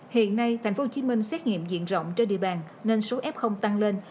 hiện nay tp hcm xét nghiệm diện rộng trên địa bàn nên số f tăng lên